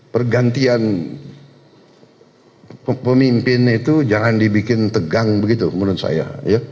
pergantian pemimpin itu jangan dibikin tegang begitu menurut saya